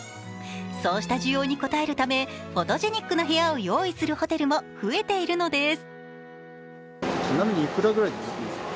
そうした需要に応えるためフォトジェニックな部屋を用意するホテルも増えているのです。